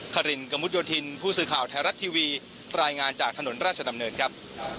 ขอบคุณครับ